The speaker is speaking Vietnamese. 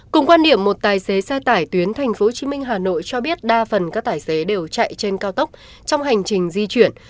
cùng quan điểm một tài xế xe tải tuyến tp hcm hà nội cho biết đa phần các tài xế đều chạy trên cao tốc trong hành trình di chuyển